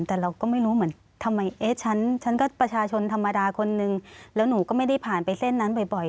แต่เราก็ไม่รู้เหมือนทำไมเอ๊ะฉันฉันก็ประชาชนธรรมดาคนนึงแล้วหนูก็ไม่ได้ผ่านไปเส้นนั้นบ่อย